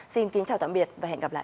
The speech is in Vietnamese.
xin kính chào tạm biệt và hẹn gặp lại